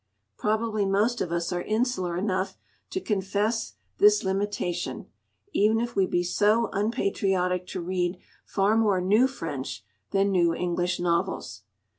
Probably most of us are insular enough to confess this limitation; even if we be so unpatriotic to read far more new French than new English novels.